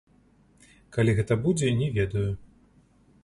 Калі гэта будзе, не ведаю.